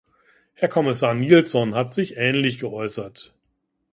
Herr Kommissar Nielson hat sich ähnlich geäußert.